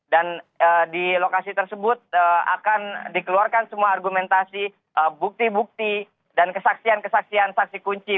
dan di lokasi tersebut akan dikeluarkan semua argumentasi bukti bukti dan kesaksian kesaksian saksi kunci